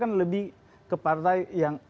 kan lebih ke partai yang